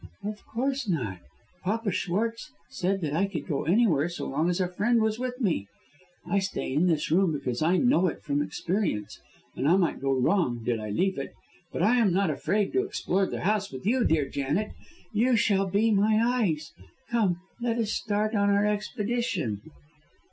"Of course not. Papa Schwartz said that I could go anywhere so long as a friend was with me. I stay in this room because I know it from experience; and I might go wrong did I leave it. But I am not afraid to explore the house with you, dear Janet. You shall be my eyes. Come, let us start on our expedition."